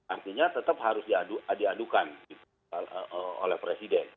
artinya tetap harus diadukan oleh presiden